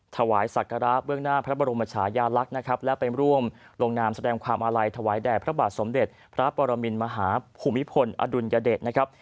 ถวายศักระเบื้องหน้าพระบรมชายาลักษณ์นะครับและไปร่วมลงนามแสดงความอาลัยถวายแด่พระบาทสมเด็จพระปรมินมหาภูมิพลอดุลยเดชนะครับ